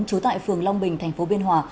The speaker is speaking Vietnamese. trú tại phường long bình tp biên hòa